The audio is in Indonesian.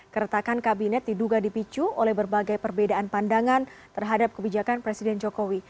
keretakan kabinet diduga dipicu oleh berbagai perbedaan pandangan terhadap kebijakan presiden jokowi